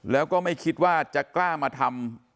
แล้วก็ไม่คิดว่าจะกล้ามาทำ